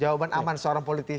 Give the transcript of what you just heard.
jawaban aman seorang politis